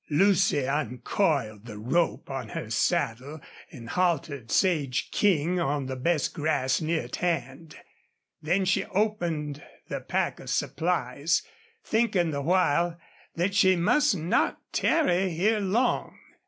Lucy uncoiled the rope on her saddle and haltered Sage King on the best grass near at hand. Then she opened the pack of supplies, thinking the while that she must not tarry here long.